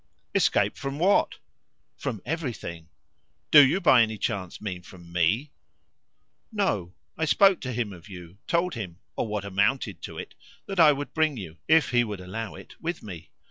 "Escape from what?" "From everything." "Do you by any chance mean from me?" "No; I spoke to him of you, told him or what amounted to it that I would bring you, if he would allow it, with me."